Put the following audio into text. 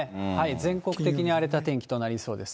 全国的に荒れた天気となりそうです。